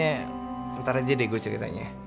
ya ntar aja deh gue ceritanya